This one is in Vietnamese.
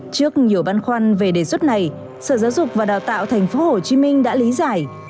trước nhiều băn khoăn về đề xuất này sở giáo dục và đào tạo tp hcm đã lý giải